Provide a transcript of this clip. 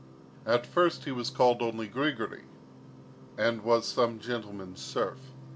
At first he was called only Grigory, and was some gentleman's serf.